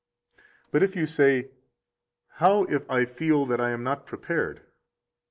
55 But if you say: How if I feel that I am not prepared?